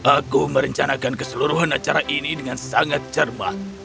aku merencanakan keseluruhan acara ini dengan sangat cermat